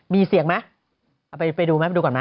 มีเสี่ยงไหมไปดูนะไปดูก่อนนะ